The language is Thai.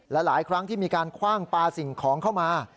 และหลายครั้งที่มีการคว่างปลาสิ่งของเข้ามา